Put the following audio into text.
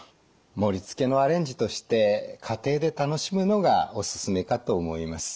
盛りつけのアレンジとして家庭で楽しむのがおすすめかと思います。